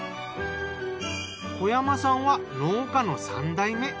小山さんは農家の３代目。